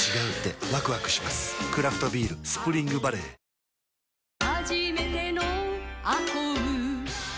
クラフトビール「スプリングバレー」ええっ！